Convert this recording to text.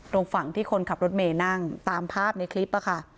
ตรงฝั่งที่คนขับรถเมย์นั่งตามภาพในคลิปค่ะ